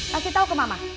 kasih tahu ke mama